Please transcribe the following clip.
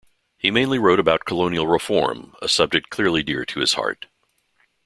He mainly wrote about colonial reform, a subject clearly dear to his heart.